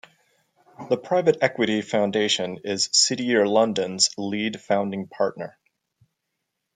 The Private Equity Foundation is City Year London's Lead Founding Partner.